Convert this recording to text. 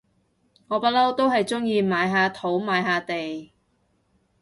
我不嬲都係中意買下土買下地